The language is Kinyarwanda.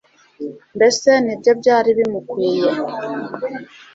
mbese ni byo byari bimukwiye